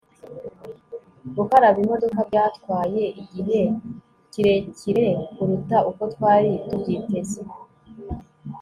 gukaraba imodoka byatwaye igihe kirekire kuruta uko twari tubyiteze